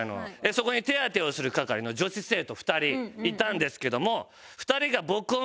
そこに手当てをする係の女子生徒２人いたんですけども。